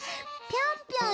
ぴょんぴょん？